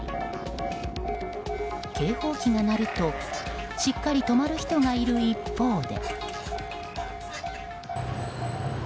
警報機がなるとしっかり止まる人がいる一方で。